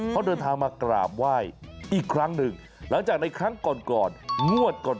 เขาเดินทางมากราบไหว้อีกครั้งหนึ่งหลังจากในครั้งก่อนก่อนงวดก่อน